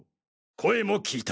声も聞いた。